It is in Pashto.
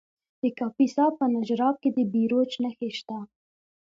د کاپیسا په نجراب کې د بیروج نښې شته.